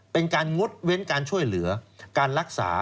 เป็นการงดเว้นการช่วยเหลือการรักษา